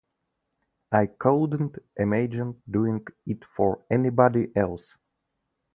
I couldn't imagine doing it for anybody else.